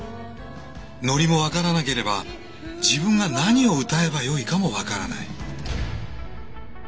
ノリも分からなければ自分が何を歌えばよいかも分からない。